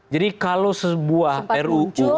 jadi kalau sebuah ruu